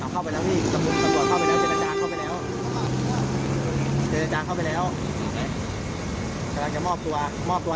เข้าไปแล้วพี่สมมุติเข้าไปแล้วเจรจาเข้าไปแล้ว